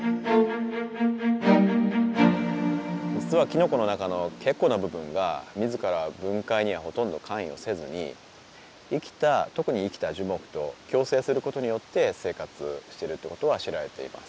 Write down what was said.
実はきのこの中の結構な部分が自ら分解にはほとんど関与せずに生きた特に生きた樹木と共生することによって生活してるっていうことは知られています。